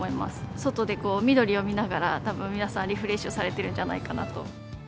外で緑を見ながら、たぶん皆さん、リフレッシュされてるんじゃないかと。